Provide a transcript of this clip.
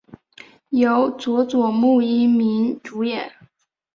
由佐佐木英明主演。